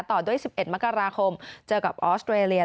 ต่อด้วย๑๑มกราคมเจอกับออสเตรเลีย